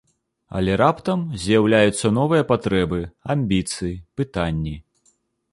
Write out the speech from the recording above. Але раптам з'яўляюцца новыя патрэбы, амбіцыі, пытанні.